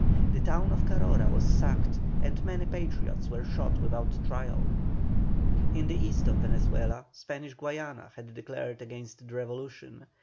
The town of Carora was sacked, and many Patriots were shot without trial. In the east of Venezuela, Spanish Guayana had declared against the revolution.